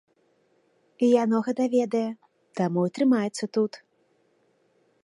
І яно гэта ведае, таму і трымаецца тут.